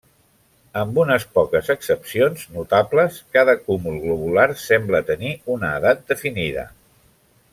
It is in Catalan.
Amb unes poques excepcions notables, cada cúmul globular sembla tenir una edat definida.